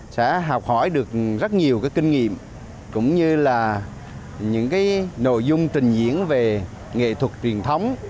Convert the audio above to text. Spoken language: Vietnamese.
sẽ học hỏi được rất nhiều kinh nghiệm cũng như là những nội dung trình diễn về nghệ thuật truyền thống